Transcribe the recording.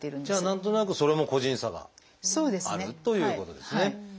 じゃあ何となくそれも個人差があるということですね。